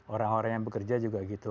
orang orang yang bekerja juga gitu